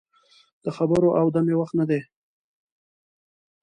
د خبرو او دمې وخت نه دی.